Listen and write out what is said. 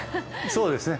そうですね。